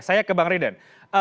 saya ke bang riden